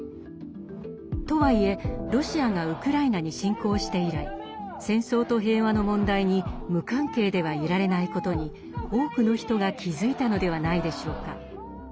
とはいえロシアがウクライナに侵攻して以来戦争と平和の問題に無関係ではいられないことに多くの人が気付いたのではないでしょうか。